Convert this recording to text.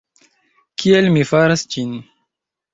Kiel mi faras ĝin?